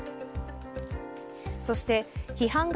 そして批判が